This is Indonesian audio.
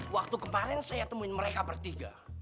waktu kemarin saya temuin mereka bertiga